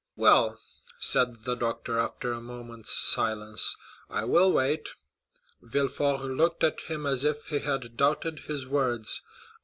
"Well," said the doctor, after a moment's silence, "I will wait." Villefort looked at him as if he had doubted his words.